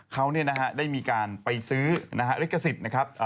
เขาได้มีการไปซื้อนะฮะลิขสิทธิ์นะครับ